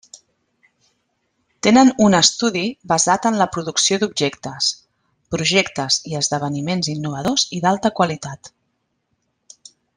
Tenen un estudi basat en la producció d'objectes, projectes i esdeveniments innovadors i d'alta qualitat.